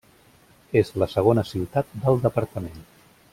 És la segona ciutat del departament.